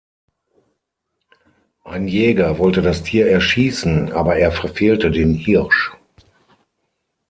Ein Jäger wollte das Tier erschießen, aber er verfehlte den Hirsch.